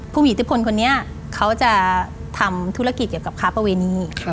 ผู้มีอิทธิพลคนนี้เขาจะทำธุรกิจเกี่ยวกับค้าประเวณี